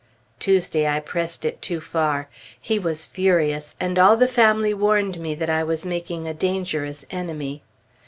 Tuesday I pressed it too far. He was furious, and all the family warned me that I was making a dangerous enemy.